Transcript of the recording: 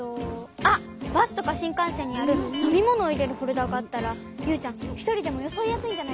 あっバスとかしんかんせんにあるのみものをいれるホルダーがあったらユウちゃんひとりでもよそいやすいんじゃないかな。